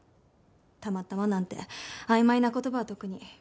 「たまたま」なんて曖昧な言葉は特に。